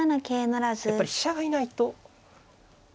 やっぱり飛車がいないと。